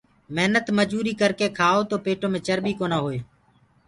مهنت مجوري ڪرڪي کآئو تو پيٽو مي چرٻي نآ هوئي